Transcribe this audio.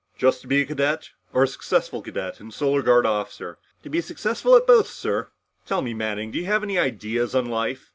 "Just to be a cadet or a successful cadet and a Solar Guard officer?" "To be successful at both, sir." "Tell me, Manning, do you have any ideas on life?"